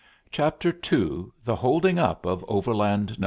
CHAPTER II THE HOLDING UP OF OVERLAND NO.